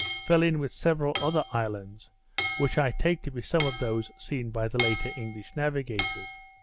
fell in with several other islands, which I take to be some of those seen by the late English navigators.